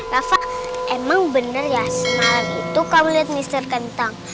rafa emang bener ya semalam itu kamu liat mister kentang